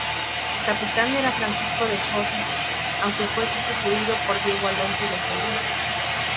El capitán era Francisco de Hoces, aunque fue sustituido por Diego Alonso de Solís.